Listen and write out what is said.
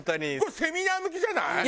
セミナー向きじゃない？